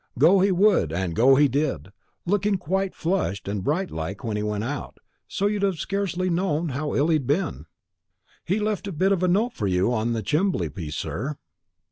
Go he would, and go he did; looking quite flushed and bright like when he went out, so as you'd have scarcely known how ill he'd been. And he left a bit of a note for you on the chimbley piece, sir."